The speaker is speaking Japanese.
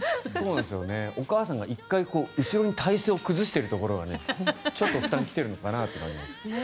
お母さんが１回体勢を後ろに崩しているところがちょっと負担が来てるのかなと感じますが。